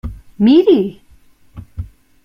Miri!